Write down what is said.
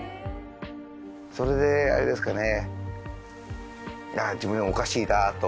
それであれですかね。